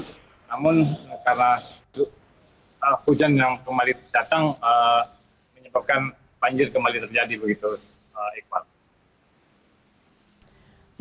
namun karena hujan yang kembali datang menyebabkan banjir kembali terjadi begitu iqbal